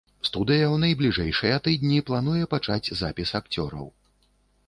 Студыя ў найбліжэйшыя тыдні плануе пачаць запіс акцёраў.